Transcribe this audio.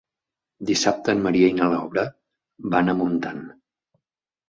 Dissabte en Maria i na Laura van a Montant.